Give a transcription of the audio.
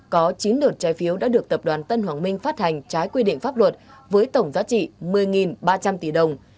có chín đợt trái phiếu đã được tập đoàn tân hoàng minh phát hành trái quy định pháp luật với tổng giá trị một mươi ba trăm linh tỷ đồng